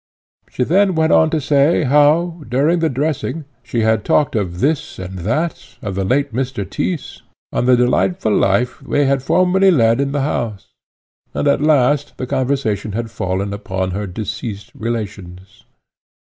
She then went on to say how, during the dressing, she had talked of this and that, of the late Mr. Tyss, on the delightful life they had formerly led in the house, and at last the conversation had fallen upon her deceased relations.